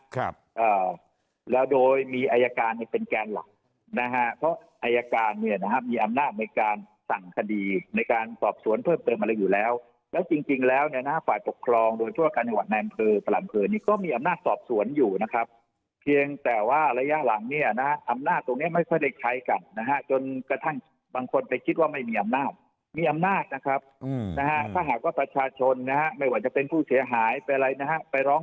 ครับแล้วโดยมีอัยการเป็นแกนหลังนะฮะเพราะอัยการเนี่ยนะฮะมีอำนาจในการสั่งคดีในการสอบสวนเพิ่มเติมอะไรอยู่แล้วแล้วจริงแล้วเนี่ยนะฮะฝ่ายปกครองโดยทั่วข้างจังหวัดแม่นพือปลาลันพือนี้ก็มีอำนาจสอบสวนอยู่นะครับเพียงแต่ว่าระยะหลังเนี่ยนะฮะอำนาจตรงนี้ไม่ค่อยได้ใช้กันนะฮะจน